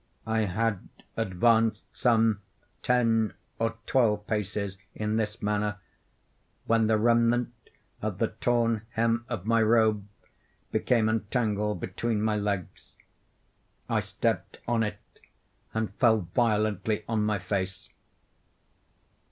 I had advanced some ten or twelve paces in this manner, when the remnant of the torn hem of my robe became entangled between my legs. I stepped on it, and fell violently on my face.